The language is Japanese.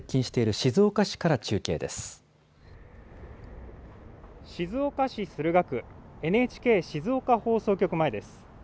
静岡市駿河区、ＮＨＫ静岡放送局前です。